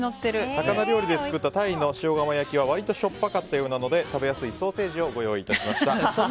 魚料理で作ったタイの塩釜焼きは割としょっぱかったそうなので食べやすいソーセージをご用意いたしました。